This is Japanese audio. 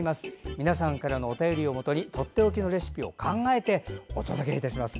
皆さんからのお便りをもとにとっておきのレシピを考えてお届けいたします。